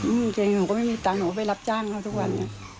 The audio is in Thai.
กางเกงหนูก็ไม่มีตังค์หนูก็ไปรับจ้างเขาทุกวันไง